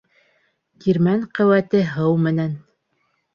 Тирмән ҡеүәте һыу менән.